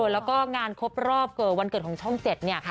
แล้วก็งานครบรอบวันเกิดของช่อง๗เนี่ย